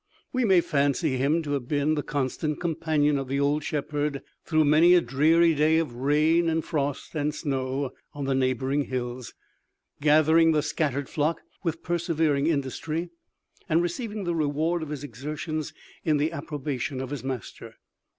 We may fancy him to have been the constant companion of the old shepherd through many a dreary day of rain, and frost, and snow on the neighbouring hills, gathering the scattered flock with persevering industry, and receiving the reward of his exertions in the approbation of his master.